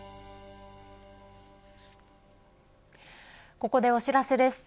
ここでお知らせです。